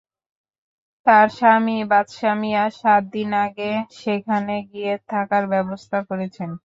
তাঁর স্বামী বাদশা মিয়া সাত দিন আগে সেখানে গিয়ে থাকার ব্যবস্থা করেছেন।